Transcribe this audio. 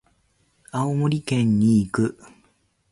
青森県に行く。